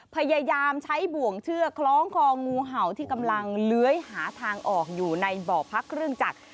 พยายามใช้บ่วงเชือกคล้องคองูเห่าที่กำลังเลื้อยหาทางออกอยู่ในบ่อพักเครื่องจักร